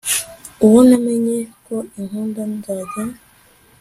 ubwo namenye ko inkunda, nzajya